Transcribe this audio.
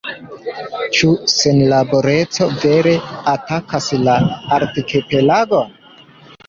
Ĉu senlaboreco vere atakas la arkipelagon?